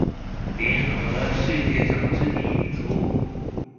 聯合世界上之民族